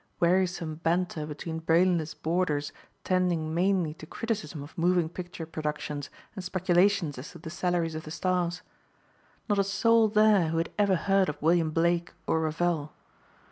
Wearisome banter between brainless boarders tending mainly to criticism of moving picture productions and speculations as to the salaries of the stars. Not a soul there who had ever heard of William Blake or Ravel!